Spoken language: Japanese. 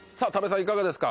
いかがですか？